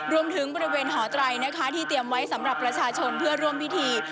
รวมถึงบริเวณหอไตรนะคะที่เตรียมไว้สำหรับประชาชนเพื่อร่วมพิธี